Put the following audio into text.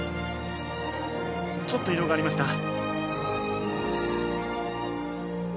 ちょっと移動がありました。